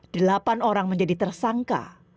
delapan orang menjadi tersangka